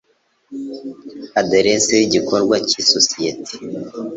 aderesi y igikorwa cy isosiyete